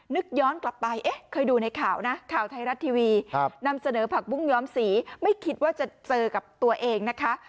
นึกย้อนกลับไปเอ๊ะเคยดูในข่าวนะข่าวไทยรัฐทีวีนำเสนอผักบุ้งย้อมสีไม่คิดว่าจะเจอกับตัวเองนะคะ